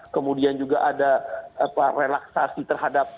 kemudian juga ada relaksasi terhadap